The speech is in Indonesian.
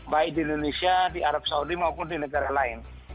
baik di indonesia di arab saudi maupun di negara lain